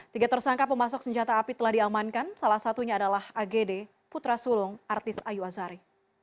tiga tersangka pemasok senjata api telah diamankan salah satunya adalah agd putra sulung artis ayu azari